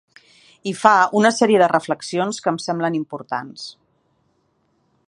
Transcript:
I fa una sèrie de reflexions que em semblen importants.